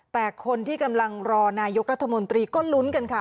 แต่คนที่กำลังรอนายกรัฐมนตรีก็ลุ้นกันค่ะ